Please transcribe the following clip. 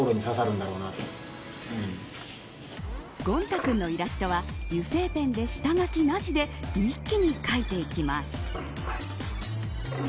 ゴンタ君のイラストは油性ペンで下書きなしで一気に描いていきます。